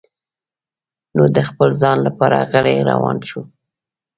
نو د خپل ځان لپاره غلی روان شو.